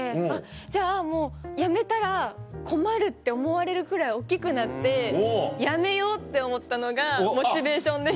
じゃあもう辞めたら困るって思われるくらい大っきくなって辞めようって思ったのがモチベーションでした。